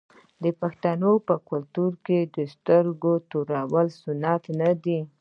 آیا د پښتنو په کلتور کې د سترګو تورول سنت نه دي؟